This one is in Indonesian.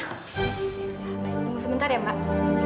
tunggu sebentar ya mbak